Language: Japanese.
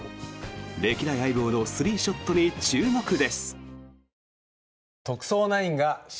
歴代相棒のスリーショットに注目です！